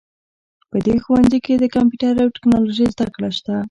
په دې ښوونځي کې د کمپیوټر او ټکنالوژۍ زده کړه شته